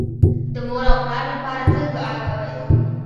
د مور او پلار لپاره تل دوعا کوئ